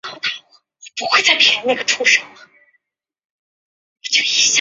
德裔移民也将这个传统带到了英国和美国。